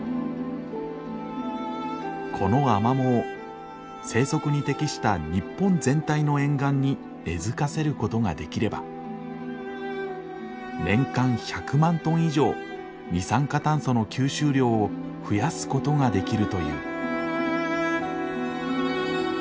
このアマモを生息に適した日本全体の沿岸に根づかせることができれば年間１００万トン以上二酸化炭素の吸収量を増やすことができるという。